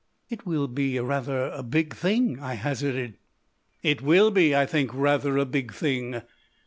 "It will be rather a big thing," I hazarded. "It will be, I think, rather a big thing."